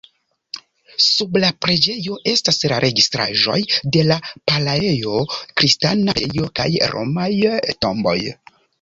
Sub la preĝejo estas la restaĵoj de la Palaeo-kristana preĝejo kaj romaj tomboj.